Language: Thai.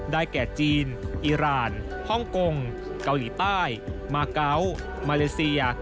แก่จีนอีรานฮ่องกงเกาหลีใต้มาเกาะมาเลเซีย